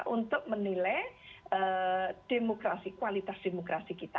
untuk menilai demokrasi kualitas demokrasi kita